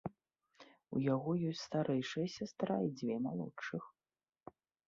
У яго ёсць старэйшая сястра і дзве малодшых.